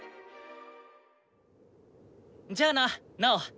じゃあなナオ！